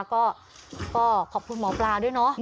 ก็ขอบคุณหมอปลาด้วยเนาะ